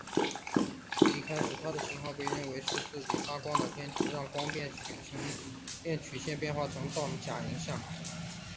一开始它的讯号被认为是自己发光的天体让光变曲线变化造成的假阳性。